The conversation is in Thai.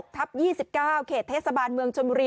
ทับ๒๙เขตเทศบาลเมืองชนบุรี